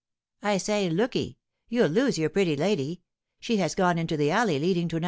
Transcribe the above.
"I say, look'ee, you'll lose your pretty lady. She has gone into the alley leading to No.